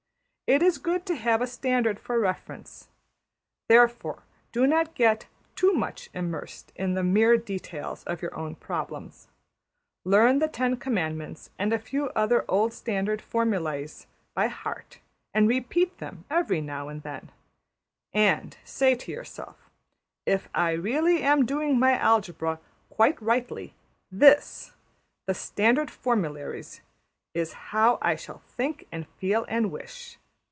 It is good to have a standard for reference. Therefore do not get too much immersed in the mere details of your own problems. Learn the Ten Commandments and a few other old standard formularies by heart, and repeat them every now and then. And say to yourself, ``If I really am doing my algebra quite rightly, \emph{this} (the standard formularies) is how I shall think and feel and wish.